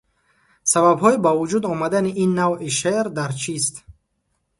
Сабабҳои ба вуҷуд омадани ин навъи шеър дар чист?